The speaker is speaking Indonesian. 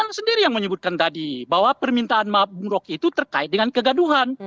karena sendiri yang menyebutkan tadi bahwa permintaan maaf bung roki itu terkait dengan kegaduhan